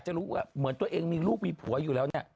รู้ว่าเหมือนตัวเองมีลูกมีผัวอยู่แล้วเนี่ย